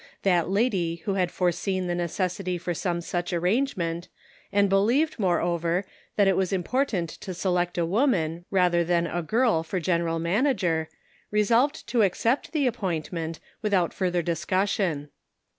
That lady who had foreseen the necessity for some such arrangement, and believed, moreover, 285 286 The Pocket Measure. that it was important to select a woman, rather than, a girl, for general manager, resolved to accept the appointment without further discus sion.